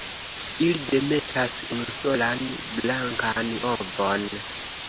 Ili demetas unusolan blankan ovon.